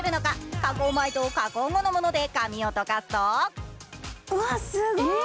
加工前と加工後のもので髪をとかすとうわっ、すごい。